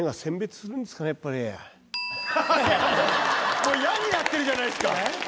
もう嫌になってるじゃないですか。